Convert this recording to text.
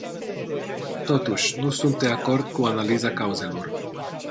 Totuși, nu sunt de acord cu analiza cauzelor.